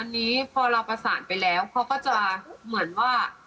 อันนี้พอเราประสานไปแล้วเขาก็จะเหมือนว่า